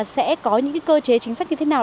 sẽ có những cơ chế chính sách như thế nào